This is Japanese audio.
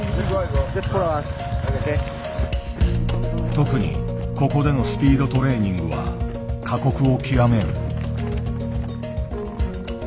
特にここでのスピードトレーニングは過酷を極める。